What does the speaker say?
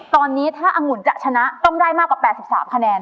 ตอนนี้ถ้าอังุ่นจะชนะต้องได้มากกว่า๘๓คะแนน